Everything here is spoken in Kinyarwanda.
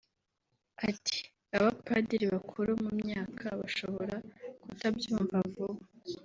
Ati “Abapadiri bakuru mu myaka bashobora kutabyumva vuba